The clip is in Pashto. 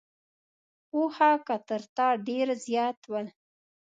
پوهه کې تر تا ډېر زیات ول.